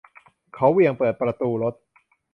เขาเหวี่ยงเปิดประตูรถ